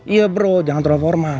iya bro jangan terlalu formal